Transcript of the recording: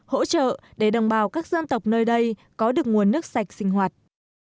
hỗ trợ để đồng bào các dân tộc nơi đây có được nguồn nước sạch sinh hoạt